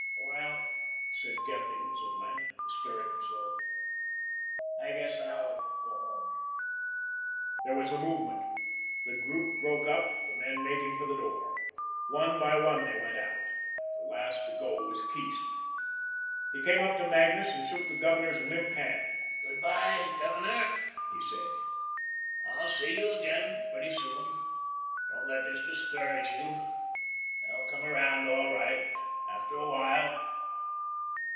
"Well," said Gethings at length, bestirring himself, "I guess I'LL go home." There was a movement. The group broke up, the men making for the door. One by one they went out. The last to go was Keast. He came up to Magnus and shook the Governor's limp hand. "Good bye, Governor," he said. "I'll see you again pretty soon. Don't let this discourage you. They'll come around all right after a while.